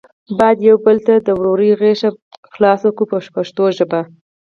باید یو بل ته د ورورۍ غېږه پرانیزو په پښتو ژبه.